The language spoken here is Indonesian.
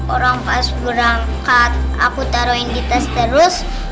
orang pas berangkat aku taruhin di tes terus